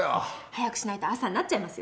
早くしないと朝になっちゃいますよ。